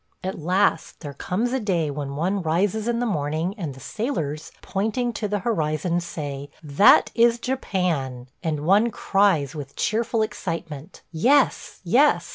At last there comes a day when one rises in the morning and the sailors, pointing to the horizon, say, "That is Japan," and one cries with cheerful excitement, "Yes! yes!"